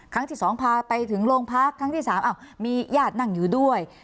ครั้งที่๒พาไปถึงโรงพักครั้งที่๓มีญาตินั่งอยู่ด้วย